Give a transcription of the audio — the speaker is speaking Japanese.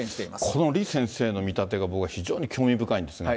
この李先生の見立てが僕は非常に興味深いんですが。